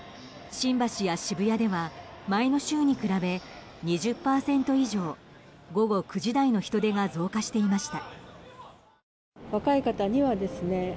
新橋や渋谷では前の週に比べ２０％以上午後９時台の人出が増加していました。